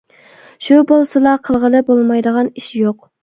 شۇ بولسىلا قىلغىلى بولمايدىغان ئىش يوق.